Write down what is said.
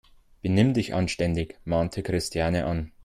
Benimm dich anständig!, mahnte Christiane an.